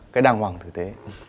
cái đàng hoàng thực tế